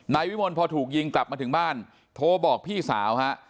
นายวิมลพอถูกยิงกลับมาถึงบ้านโทรบอกพี่สาวฮะ